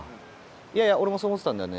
いやいや俺もそう思ってたんだよね。